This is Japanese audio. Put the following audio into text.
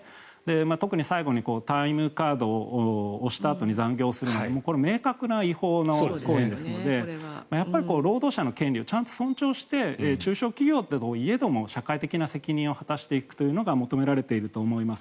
特に最後のタイムカードを押したあとに残業するのはこれも明確な違法の行為ですのでやっぱり労働者の権利をちゃんと尊重して中小企業といえども社会的な責任を果たしていくのが求められていると思います。